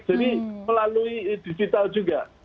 jadi melalui digital juga